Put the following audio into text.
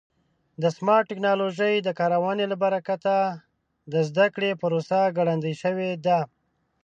د سمارټ ټکنالوژۍ د کارونې له برکته د زده کړې پروسه ګړندۍ شوې ده.